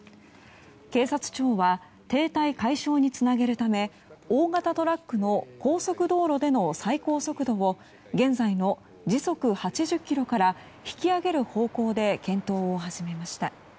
警察庁は停滞解消につなげるため大型トラックの高速道路での最高速度を現在の時速８０キロから引き上げる方向で検討を始めました。